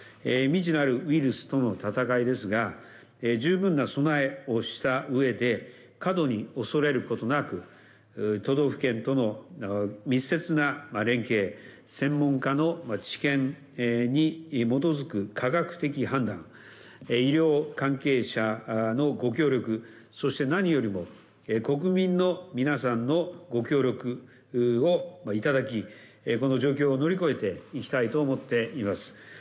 未知なるウイルスとの闘いですが、十分な備えをしたうえで、過度に恐れることなく、都道府県との密接な連携、専門家の知見に基づく科学的判断、医療関係者のご協力、そして、何よりも国民の皆さんのご協力をいただき、この状況を乗り越えていきたいと思っています。